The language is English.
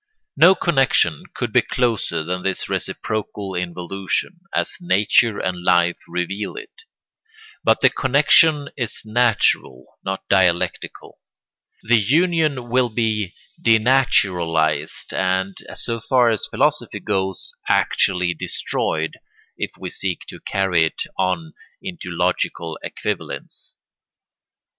No connection could be closer than this reciprocal involution, as nature and life reveal it; but the connection is natural, not dialectical. The union will be denaturalised and, so far as philosophy goes, actually destroyed, if we seek to carry it on into logical equivalence.